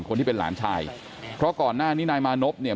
คนที่เป็นหลานชายเพราะก่อนหน้านี้นายมานพเนี่ย